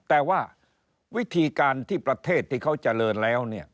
แต่ว่าวิธีการที่ประเทศที่เขาเจริญแล้ว